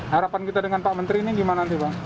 harapan kita dengan pak menteri ini gimana sih pak